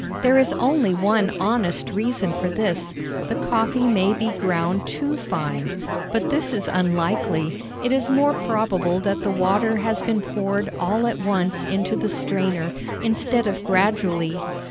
There is only one honest reason for this the coffee may be ground too fine. But this is unlikely; it is more probable that the water has been poured all at once into the strainer, instead of gradually.